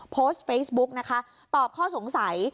โพสต์เฟซบุ๊กนะคะตอบข้อสงสัย